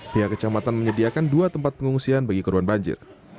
pihak kecamatan menyediakan dua tempat pengungsian bagi korban banjir